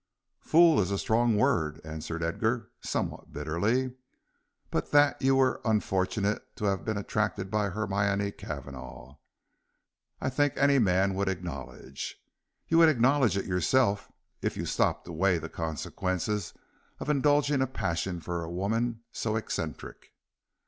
"Fool is a strong word," answered Edgar, somewhat bitterly, "but that you were unfortunate to have been attracted by Hermione Cavanagh, I think any man would acknowledge. You would acknowledge it yourself, if you stopped to weigh the consequences of indulging a passion for a woman so eccentric."